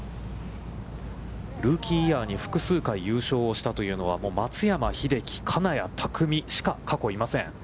ルーキーイヤーに複数回優勝したというのは松山英樹、金谷拓実しか過去いません。